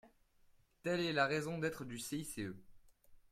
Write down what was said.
Telle est la raison d’être du CICE.